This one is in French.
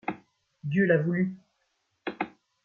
Dieu l’a voulu !